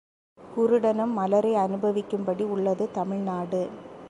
குருடனும் மலரை அநுபவிக்கும்படி உள்ளது தமிழ்நாடு.